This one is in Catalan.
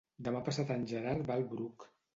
Demà passat en Gerard va al Bruc.